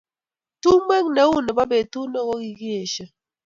Tumwek neu nebo betut neo kokikiesho